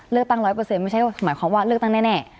เลือกตั้ง๑๐๐ไม่ใช่หมายความว่าเลือกตั้งแน่